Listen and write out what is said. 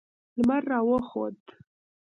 لمر را وخوت.